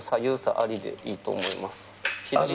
ありでいいと思います。